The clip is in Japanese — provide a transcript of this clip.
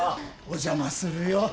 お邪魔するよ。